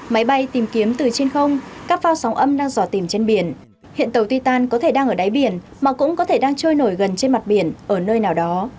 máy bay tìm kiếm từ trên không các phao sóng âm đang dò tìm trên biển hiện tàu ti tàn có thể đang ở đáy biển mà cũng có thể đang trôi nổi gần trên mặt biển ở nơi nào đó